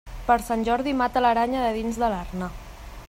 Per Sant Jordi mata l'aranya de dins de l'arna.